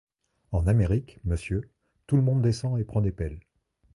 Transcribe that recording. En Amérique, monsieur, tout le monde descend et prend des pelles.